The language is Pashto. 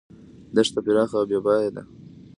دښته پراخه او بې پایه ده.